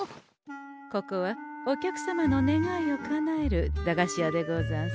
ここはお客様の願いをかなえる駄菓子屋でござんす。